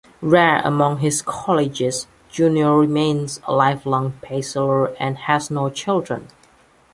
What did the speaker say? Rare among his colleagues, Junior remains a lifelong bachelor and has no children.